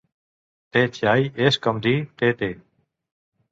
Tè Chai és com dir tè tè!